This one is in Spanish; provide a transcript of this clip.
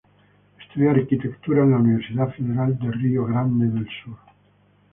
Estudió Arquitectura en la Universidad Federal de Río Grande del Sur.